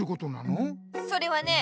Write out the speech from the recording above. それはね